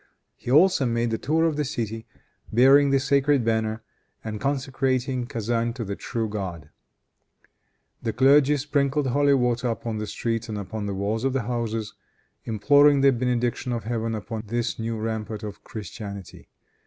He also made the tour of the city, bearing the sacred banner, and consecrating Kezan to the true God. The clergy sprinkled holy water upon the streets and upon the walls of the houses, imploring the benediction of Heaven upon this new rampart of Christianity.